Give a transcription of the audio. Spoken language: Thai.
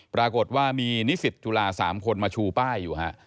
ปรากฏว่ามีณศิษย์จุฬาสามคนมาชูป้ายอยู่ฮะ